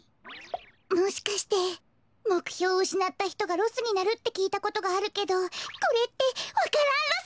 もしかしてもくひょううしなったひとがロスになるってきいたことがあるけどこれってわか蘭ロス？